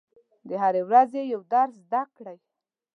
د هرې ورځې یو درس زده کړئ.